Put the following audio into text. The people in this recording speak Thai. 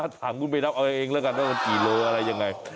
๕ถังคุณไปนับเอาเองแล้วกันจะต้องกิโลอร์อะไรยังไง